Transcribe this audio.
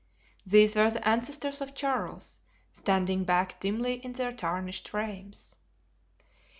These were the ancestors of Charles, standing back dimly in their tarnished frames.